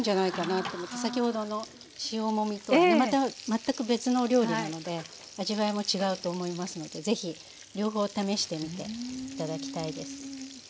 先ほどの塩もみとはまた全く別の料理なので味わいも違うと思いますのでぜひ両方試してみて頂きたいです。